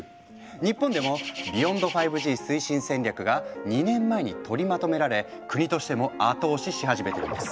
日本でもＢｅｙｏｎｄ５Ｇ推進戦略が２年前に取りまとめられ国としても後押しし始めているんです。